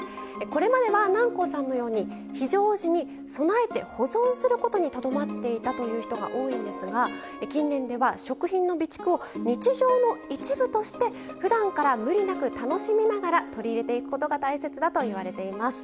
これまでは南光さんのように非常時に備えて保存することにとどまっていたという人が多いんですが近年では食品の備蓄を日常の一部としてふだんから無理なく楽しみながら取り入れていくことが大切だといわれています。